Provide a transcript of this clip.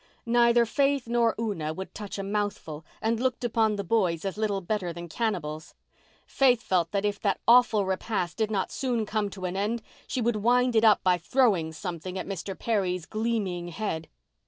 Neither Faith nor Una would touch a mouthful, and looked upon the boys as little better than cannibals. Faith felt that if that awful repast did not soon come to an end she would wind it up by throwing something at Mr. Perry's gleaming head.